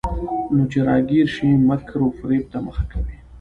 نو چې راګېره شي، مکر وفرېب ته مخه کوي.